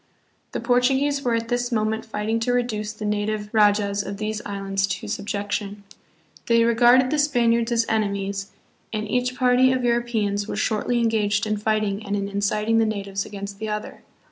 The Portuguese were at this moment fighting to reduce the native rajas of these islands to subjection. They regarded the Spaniards as enemies, and each party of Europeans was shortly en gaged in fighting and in inciting the natives against the other.